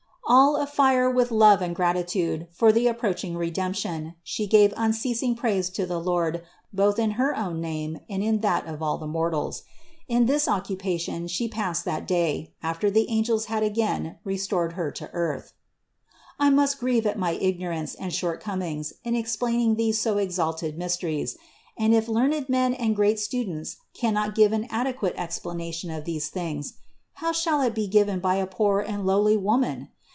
All afire with love and gratitude for the approaching Re demption, She gave unceasing praise to the Lord both in her own name and in that of all the mortals. In this occupation She passed that day, after the angels had again restored Her to the earth. 1 must grieve at my igno rance and shortcomings in explaining these so exalted mysteries; and if learned men and great students can not give an adequate explanation of these things, how shall it be given by a poor and lowly woman?